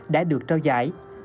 đã được trao dạy